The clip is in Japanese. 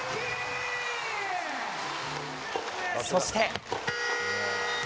そして。